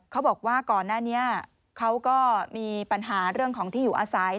เขาบอกว่าก่อนหน้านี้เขาก็มีปัญหาเรื่องของที่อยู่อาศัย